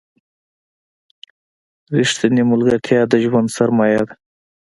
رښتینې ملګرتیا د ژوند سرمایه ده.